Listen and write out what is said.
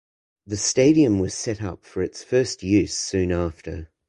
The stadium was set up for its first use soon after.